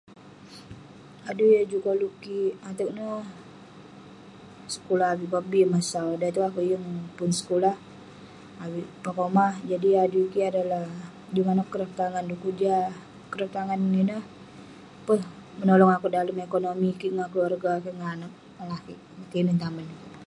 Adui yah juk koluk kik ateq neh, sekulah avik pah bi mah sau. Da iteuk akeuk yeng pun sekulah avik pah komah. Jadi adui kik adalah juk maneuk kraf tangan dukuk jah kraf tangan ineh peh menolong akeuk dalem ekonomi kik ngan keluarga kek ngan anaq, ngan lakeik, ngan tinen tamen.